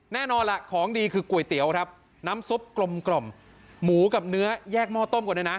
แน่นอนล่ะของดีคือก๋วยเตี๋ยวครับน้ำซุปกลมกล่อมหมูกับเนื้อแยกหม้อต้มก่อนเลยนะ